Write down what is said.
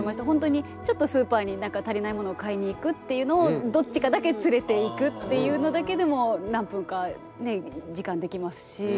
本当にちょっとスーパーになんか足りないものを買いに行くっていうのをどっちかだけ連れていくっていうのだけでも何分かね時間できますし。